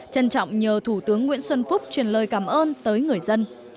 trân trọng nhờ thủ tướng nguyễn xuân phúc truyền lời cảm ơn tới người dân